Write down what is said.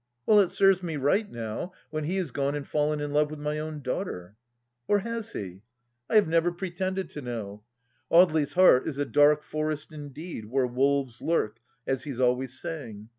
. Well, it serves me right now, when he has gone and fallen in love with my own daughter ! Or has he ? I have never pretended to know. Audely's heart is a dark forest, indeed, where wolves lurk, as he is always saying.